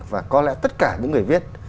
và có lẽ tất cả những người viết